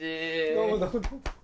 どうも。